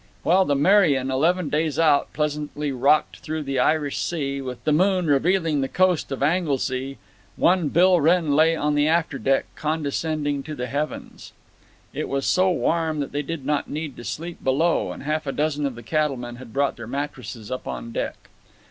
While the Merian, eleven days out, pleasantly rocked through the Irish Sea, with the moon revealing the coast of Anglesey, one Bill Wrenn lay on the after deck, condescending to the heavens. It was so warm that they did not need to sleep below, and half a dozen of the cattlemen had brought their mattresses up on deck.